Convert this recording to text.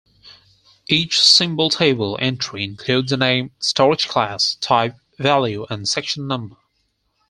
Each symbol table entry includes a name, storage class, type, value and section number.